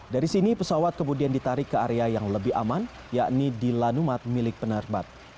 dari sini pesawat kemudian ditarik ke area yang lebih aman yakni di lanumat milik penerbat